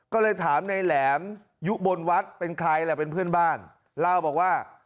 ก็เลยถามในแหลมยุบลวัฒน์เป็นใครแหละเป็นเพื่อนบ้านเล่าบอกว่า